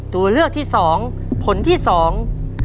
ตัวเลือกที่สองผลที่สอง